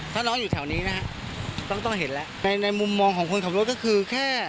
ถ้าน้องอยู่แถวนี้นะฮะต้องต้องเห็นแล้วในในมุมมองของคนขับรถก็คือแค่